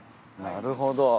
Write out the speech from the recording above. なるほど。